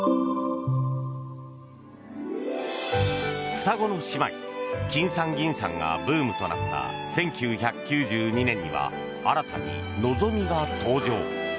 双子の姉妹、きんさんぎんさんがブームとなった１９９２年には新たにのぞみが登場。